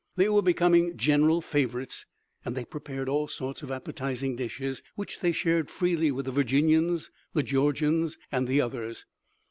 They were becoming general favorites, and they prepared all sorts of appetizing dishes, which they shared freely with the Virginians, the Georgians and the others.